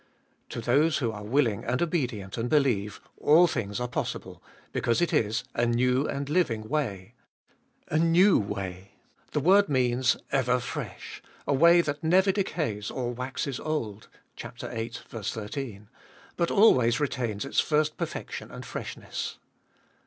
To those who are willing and obedient and believe, all things are possible, because it is a new and living way. A new way. The word means ever fresh, a way that never decays or waxes old (viii. 13) but always retains its first perfection and freshness.